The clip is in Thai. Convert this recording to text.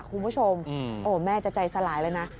คุณผู้ชมแม่จะใจสลายเลยนะ